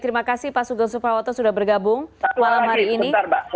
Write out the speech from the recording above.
terima kasih pak sugeng suprawoto sudah bergabung malam hari ini